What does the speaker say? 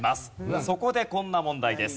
そこでこんな問題です。